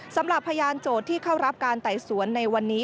สำหรับพยานโจทย์ที่เข้ารับการไต่สวนในวันนี้